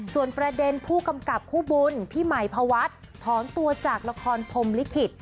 ส่วนประเด็นผู้กำกับคู่บุญพี่ใหม่พวัฒน์ถอนตัวจากละครพรมลิขิต